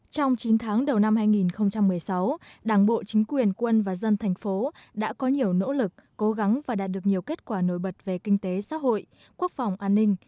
trong chín tháng đầu năm hai nghìn một mươi sáu đảng bộ chính quyền quân và dân thành phố đã có nhiều nỗ lực cố gắng và đạt được nhiều kết quả nổi bật về kinh tế xã hội quốc phòng an ninh